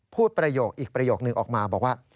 พูดอีกประโยคหนึ่งออกมาบอกว่า